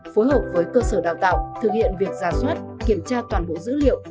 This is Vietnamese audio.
phối hợp với cơ sở đào tạo thực hiện việc ra soát kiểm tra toàn bộ dữ liệu